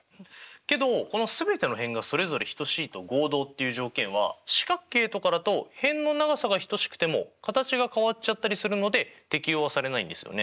けど全ての辺がそれぞれ等しいと合同っていう条件は四角形とかだと辺の長さが等しくても形が変わっちゃったりするので適用はされないですよね？